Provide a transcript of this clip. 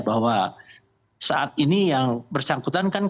bahwa saat ini yang bersangkutan kan